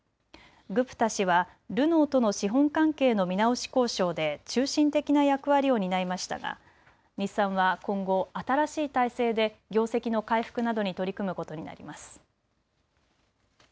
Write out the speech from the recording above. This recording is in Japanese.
グプタ氏はルノーとの資本関係の見直し交渉で中心的な役割を担いましたが日産は今後、新しい体制で業績の回復などに取り組むことになります。